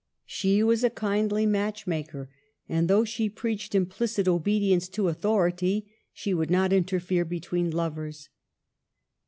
She was a kindly match maker; and though she preached implicit obedience to authority, she would not interfere between lovers.